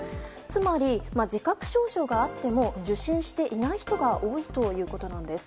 つまり、自覚症状があっても受診していない人が多いということです。